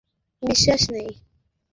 ঈশ্বরের প্রতি বিশ্বাস নেই?